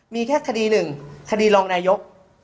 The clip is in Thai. มีแค่คดีหนึ่งคดีรองนายก